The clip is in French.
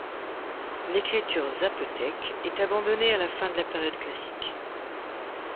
L'écriture zapotèque est abandonnée à la fin de la période classique.